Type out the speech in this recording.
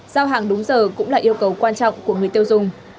giao hàng đúng giờ cũng là yêu cầu quan trọng của người tiêu dùng